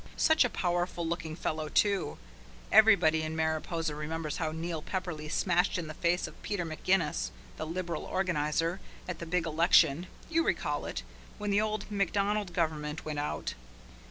Such a powerful looking fellow, too! Everybody in Mariposa remembers how Neil Pepperleigh smashed in the face of Peter McGinnis, the Liberal organizer, at the big election you recall it when the old Macdonald Government went out.